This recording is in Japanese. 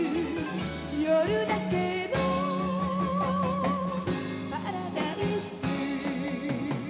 「夜だけのパラダイス」